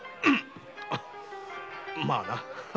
まあな。